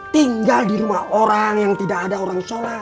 tinggal di rumah orang yang tidak ada orang sholat